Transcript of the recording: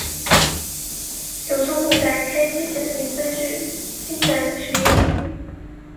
刘聪墓在山西省临汾市西南十一里。